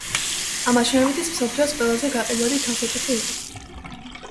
ამ მაჩვენებლით ის მსოფლიოს ყველაზე გაყიდვადი თავსატეხი იყო.